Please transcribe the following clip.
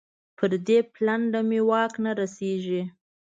پر دې پلنډه مې واک نه رسېږي.